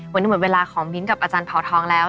วันนี้หมดเวลาของมิ้นท์กับอาจารย์เผาทองแล้ว